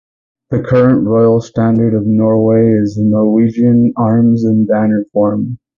The current royal standard of Norway is the Norwegian arms in banner form.